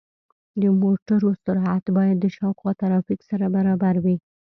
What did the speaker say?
د موټرو سرعت باید د شاوخوا ترافیک سره برابر وي.